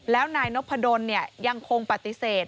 แล้วนายนพดลยังคงปฏิเสธ